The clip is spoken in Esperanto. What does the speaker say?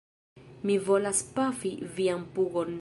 Mi volas pafi vian pugon!